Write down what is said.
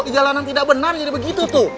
jalanan tidak benar jadi begitu tuh